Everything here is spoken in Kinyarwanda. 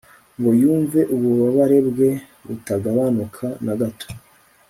ngo yumve ububabare bwe butagabanuka na gato